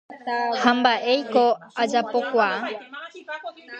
Ha mba'éiko ajapokuaa.